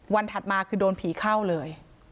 ถัดมาคือโดนผีเข้าเลย